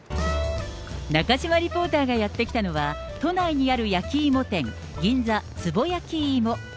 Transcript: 中島リポーターがやって来たのは、都内にある焼き芋店、銀座つぼやきいも。